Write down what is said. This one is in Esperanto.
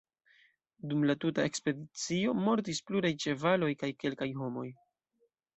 Dum la tuta ekspedicio mortis pluraj ĉevaloj kaj kelkaj homoj.